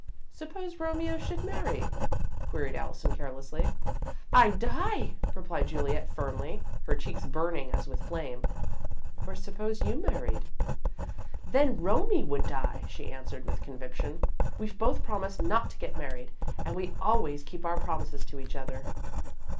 "Suppose Romeo should marry?" queried Allison, carelessly. "I'd die," replied Juliet, firmly, her cheeks burning as with flame. "Or suppose you married?" "Then Romie would die," she answered, with conviction. "We've both promised not to get married and we always keep our promises to each other."